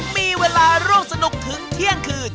มีเวลาร่วมสนุกถึงเที่ยงคืน